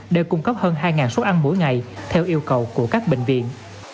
để cung cấp hơn hai suất ăn mỗi ngày theo yêu cầu của các bệnh viện